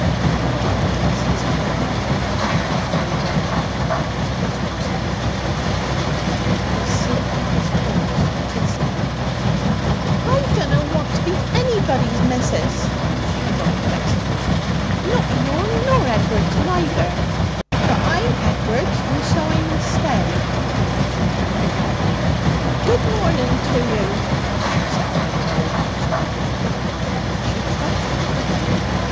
At the phrase his weather coarsened face grew redder. It intoxicated him. He slipped off his horse and kissed her. 'I dunna want to be anybody's missus!' she cried vexedly. 'Not yourn nor Ed'ard's neither! But I Ed'ard's, and so I mun stay.' She turned away. 'Good morning to you,' she said in her old fashioned little way. She trudged up the road.